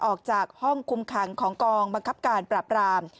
ออกจากห้องคุมขังของกองบังคับการปราบราม